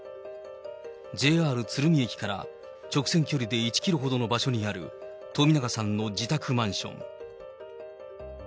ＪＲ鶴見駅から直線距離で１キロほどの場所にある冨永さんの自宅マンション。